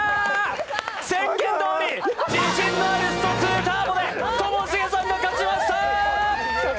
宣言どおり自信のある「ストⅡＴＵＲＢＯ」でともしげさんが勝ちました！